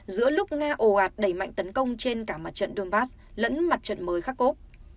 giữa lúc nga ồ ạt đẩy mạnh tấn công trên cả mặt trận donbass lẫn mặt trận mới khắc khốp